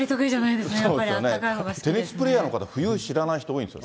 テニスプレーヤーの方は冬知らない人、多いんですよ。